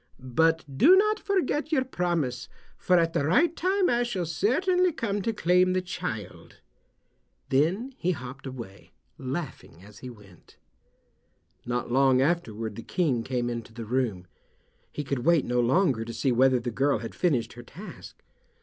But do not forget your promise, for at the right time I shall certainly come to claim the child." Then he hopped away, laughing as he went. Not long afterward the King came into the room. He could wait no longer to see whether the girl had finished her task.